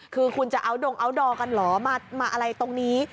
คือคุณจะเอาดงอัลดอร์กันเหรอมาอะไรตรงนี้